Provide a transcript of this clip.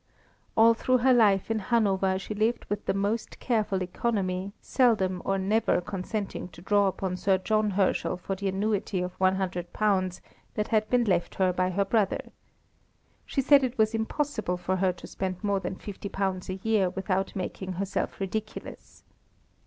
All through her life in Hanover she lived with the most careful economy, seldom or never consenting to draw upon Sir John Herschel for the annuity of £100 that had been left her by her brother. She said it was impossible for her to spend more than £50 a year without making herself ridiculous.